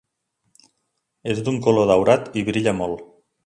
És d'un color daurat i brilla molt.